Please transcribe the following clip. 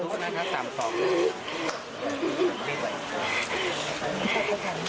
สามสองนะครับ